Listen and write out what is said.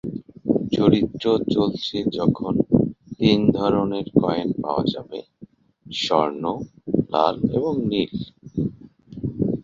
চরিত্র চলছে যখন তিন ধরনের কয়েন পাওয়া যাবে: স্বর্ণ, লাল, এবং নীল।